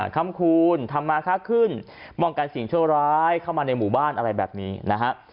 คำคูณทำมาค่าขึ้นมองกันสิ่งชั่วร้ายเข้ามาในหมู่บ้านอะไรแบบนี้นะฮะ